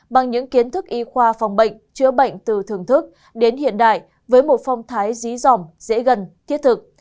bằng những kiến thức y khoa phòng bệnh chữa bệnh từ thưởng thức đến hiện đại với một phong thái dí dòm dễ gần thiết thực